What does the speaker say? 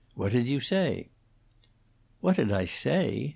What did you say?" "What did I say?"